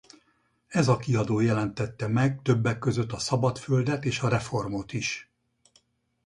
Ez a kiadó jelentette meg többek között a Szabad Földet és a Reformot is.